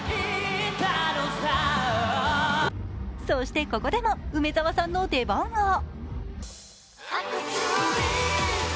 そしてここでも梅澤さんの出番が。